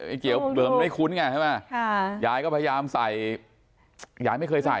เตี๋ยวเหลือมันไม่คุ้นไงใช่ไหมยายก็พยายามใส่ยายไม่เคยใส่